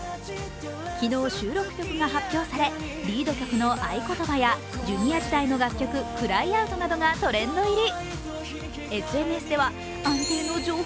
昨日、収録曲が発表されリード曲の「あいことば」やＪｒ．時代の楽曲、「Ｃｒｙｏｕｔ」などがトレンド入り。